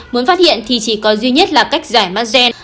muốn phát hiện thì chỉ có duy nhất là cách giải mas gen